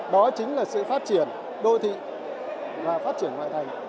đó chính là sự phát triển đô thị và phát triển ngoại thành